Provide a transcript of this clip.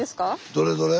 どれどれ？